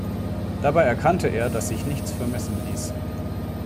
Dabei erkannte er, dass sich nichts vermessen ließ.